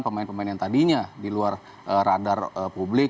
pemain pemain yang tadinya di luar radar publik